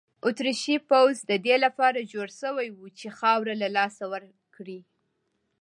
اتریشي پوځ د دې لپاره جوړ شوی وو چې خاوره له لاسه ورکړي.